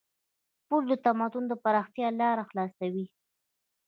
پل د تمدن د پراختیا لار خلاصوي.